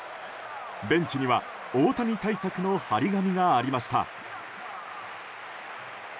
ベンチには大谷対策の貼り紙がありました。